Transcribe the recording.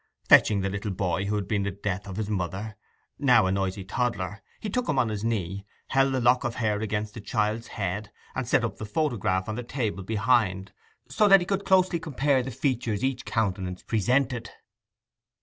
Fetching the little boy who had been the death of his mother, now a noisy toddler, he took him on his knee, held the lock of hair against the child's head, and set up the photograph on the table behind, so that he could closely compare the features each countenance presented.